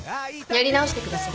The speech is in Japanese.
やり直してください。